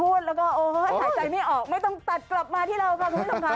พูดแล้วก็หายใจไม่ออกไม่ต้องตัดกลับมาที่เราค่ะ